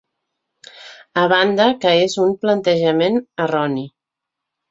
A banda que és un plantejament erroni.